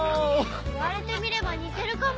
言われてみれば似てるかも！